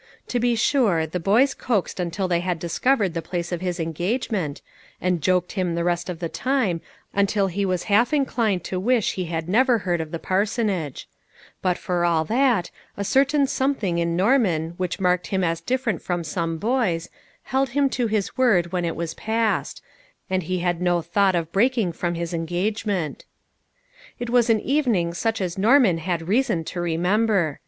To be sure the boys coaxed until they had discovered the place of his engagement, and joked him the rest of the time, until he was half inclined to wish he had never heard of the par sonage ; but for all that, a certain something in Norman which marked him as different from some boys, held him to his word when it was passed ; and he had no thought of breaking from his engagement. It was an evening such as Norman had reason to remember.